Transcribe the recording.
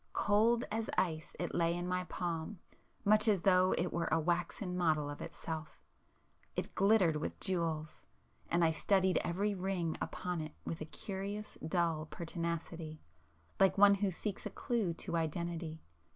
Cold as ice it lay in my palm much as though it were a waxen model of itself;—it glittered with jewels,—and I studied every ring upon it with a curious, dull pertinacity, like one who seeks a clue to identity.